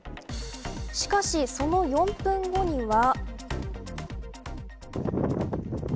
しかし、その４分後には。